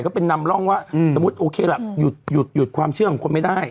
ก็เป็นนำร่องว่าสมมุติโอเคล่ะหยุดความเชื่อของคนไม่ได้